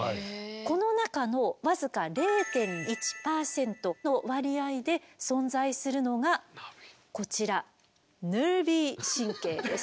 この中の僅か０．１％の割合で存在するのがこちらｎｅｒｖｙ神経です。